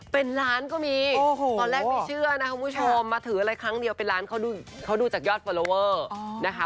เป็นล้านก็มีตอนแรกไม่เชื่อนะคุณผู้ชมมาถืออะไรครั้งเดียวเป็นล้านเขาดูจากยอดฟอลลอเวอร์นะคะ